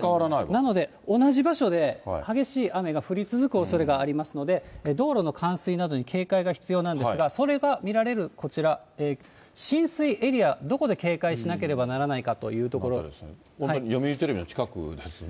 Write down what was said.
なので、同じ場所で激しい雨が降り続くおそれがありますので、道路の冠水などに警戒が必要なんですが、それが見られるこちら、浸水エリア、どこで警戒しなければならな読売テレビの近くですね。